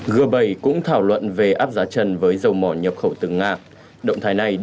g bảy cũng thảo luận về áp giá chân với dầu mỏ nhập khẩu từ nga